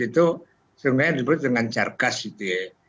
itu sebenarnya disebut dengan carkas gitu ya